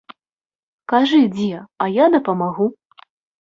Кажы дзе, а я дапамагу.